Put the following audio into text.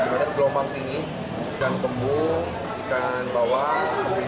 jika kita gelombang tinggi ikan kembung ikan bawal